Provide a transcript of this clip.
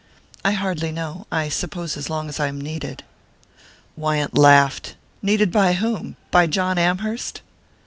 "I hardly know I suppose as long as I am needed." Wyant laughed. "Needed by whom? By John Amherst?"